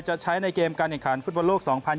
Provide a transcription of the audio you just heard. จะใช้ในเกมการเอกรันฟุตบอลโลก๒๐๒๒